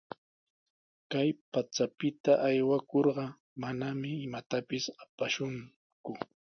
Kay pachapita aywakurqa, manami imatapis apakushunku.